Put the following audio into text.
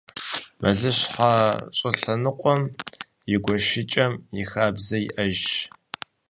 Мэлыщхьэ щӏылъэныкъуэм и гуэшыкӏэм и хабзэ иӏэжщ.